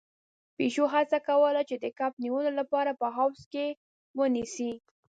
پيشو هڅه کوله چې د کب نيولو لپاره په حوض کې ونيسي.